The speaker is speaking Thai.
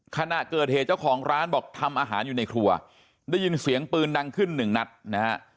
ขณะเกิดเหตุเจ้าของร้านบอกทำอาหารอยู่ในครัวได้ยินเสียงปืนดังขึ้นหนึ่งนัดนะฮะ